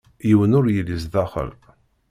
Yiwen ur yelli zdaxel.